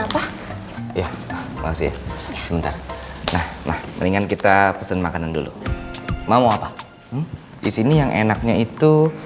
vedara ma create jualan masa masagel island